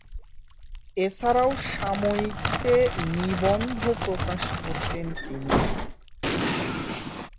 এছাড়াও সাময়িকীতে নিবন্ধ প্রকাশ করতেন তিনি।